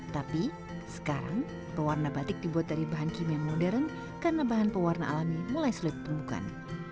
tapi sekarang pewarna batik dibuat dari bahan kimia modern karena bahan pewarna alami mulai sulit ditemukan